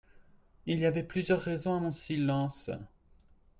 Il y avait plusieurs raisons a mon silence.